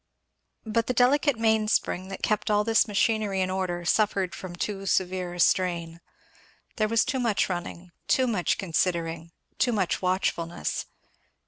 But the delicate mainspring that kept all this machinery in order suffered from too severe a strain. There was too much running, too much considering, too much watchfulness.